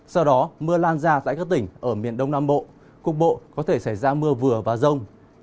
sau đó mưa lan ra tại các tỉnh ở miền đông nam bộ cục bộ có thể xảy ra mưa vừa và rông